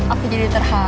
aku jadi terharu